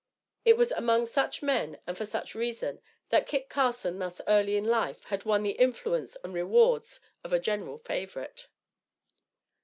It was among such men and for such reason, that Kit Carson thus early in life had won the influence and rewards of a general favorite.